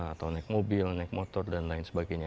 atau naik mobil naik motor dan lain sebagainya